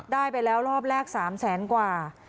ได้ไปแล้วรอบแรก๓แสนกว่า